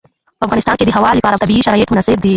په افغانستان کې د هوا لپاره طبیعي شرایط مناسب دي.